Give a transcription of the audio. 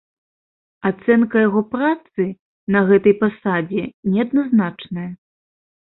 Ацэнка яго працы на гэтай пасадзе неадназначная.